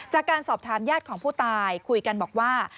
จากการสอบถามญาติของผู้ตายคุยกันบอกว่า